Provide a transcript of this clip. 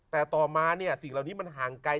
แต่ต่อมาเนี่ยสิ่งเหล่านี้มันห่างไกล